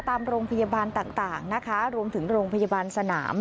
ตามโรงพยาบาลต่างนะคะรวมถึงโรงพยาบาลสนาม